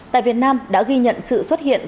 tại việt nam đã ghi nhận sự xuất hiện